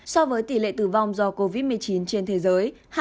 so với tỷ lệ tử vong do covid một mươi chín trên thế giới hai một